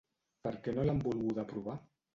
Per què no l’han volguda aprovar?